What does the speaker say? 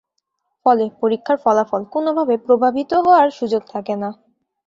ফলে, পরীক্ষার ফলাফল কোনভাবে প্রভাবিত হওয়ার সুযোগ থাকেনা।